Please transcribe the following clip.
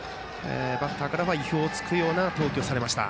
バッターからは意表を突かれるような投球をされました。